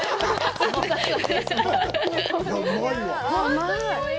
甘い！